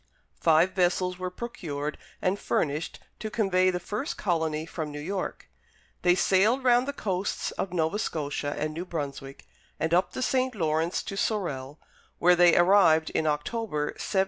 Five vessels were procured and furnished to convey the first colony from New York. They sailed round the coasts of Nova Scotia and New Brunswick, and up the St. Lawrence to Sorel, where they arrived in October, 1783.